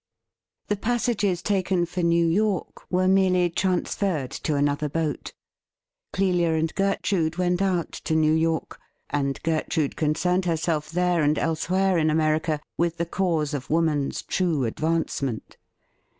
The passages taken for New York were merely trans ferred to another boat. Clelia and Gertrude went out to New York, and Gertrude concerned herself there and else where in America with the cause of woman's true advance ment.